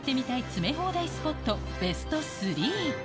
詰め放題スポットベスト３。